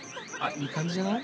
いい感じじゃない？